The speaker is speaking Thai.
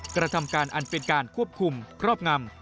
กระทำการอันเป็นการควบคุมครอบงำ